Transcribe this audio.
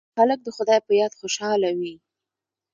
هلک د خدای په یاد خوشحاله وي.